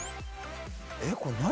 えっこれ何？